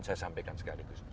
saya sampaikan sekaligus